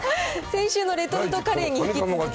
先週のレトルトカレーに引き続き。